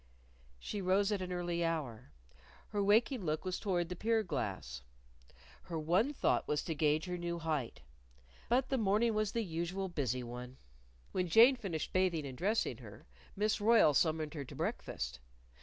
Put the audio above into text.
She rose at an early hour. Her waking look was toward the pier glass. Her one thought was to gauge her new height. But the morning was the usual busy one. When Jane finished bathing and dressing her, Miss Royle summoned her to breakfast.